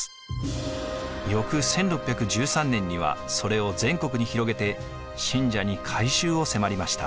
翌１６１３年にはそれを全国に広げて信者に改宗を迫りました。